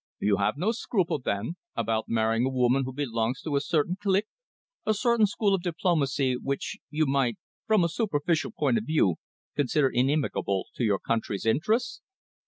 "You have no scruple, then, about marrying a woman who belongs to a certain clique, a certain school of diplomacy which you might, from a superficial point of view, consider inimical to your country's interests?"